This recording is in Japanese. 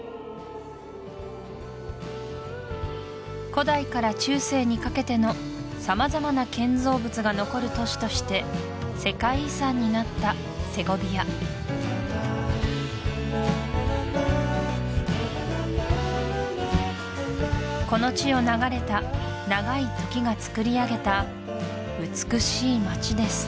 古代から中世にかけての様々な建造物が残る都市として世界遺産になったセゴビアこの地を流れた長い時がつくり上げた美しい街です